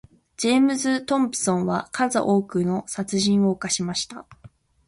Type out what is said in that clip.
ジェームズトムプソンは数多くの殺人を犯しました。